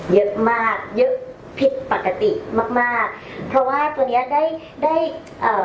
เยอะมากเยอะผิดปกติมากมากเพราะว่าตัวเนี้ยได้ได้เอ่อ